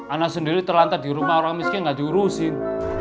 anak sendiri terlantar di rumah orang miskin nggak diurusin